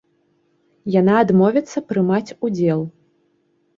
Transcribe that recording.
Яна адмовіцца прымаць удзел.